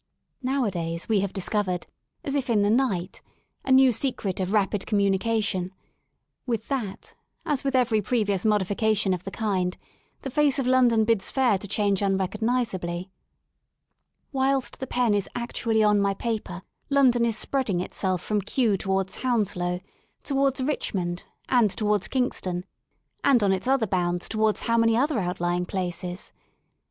Nowadays we have discovered, as if in the night, a new secret of rapid communica tion: with that, as with every previous modification of the kind, the face of London bids fair to change unrecognisably. Whilst. the pen is actually on my paper London is spreading itself from Kew towards Hounslow, towards Richmond, and towards Kingston, and on its other bounds towards how many other outlying places?